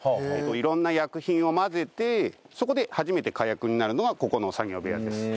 色んな薬品を混ぜてそこで初めて火薬になるのがここの作業部屋です。